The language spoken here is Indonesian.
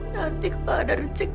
nanti kepadamu ada rezeki